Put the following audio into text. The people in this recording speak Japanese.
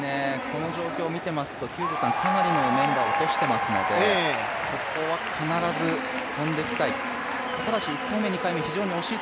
この状況を見ていますとかなりのメンバーが落としていますのでここは必ず跳んでいきたい。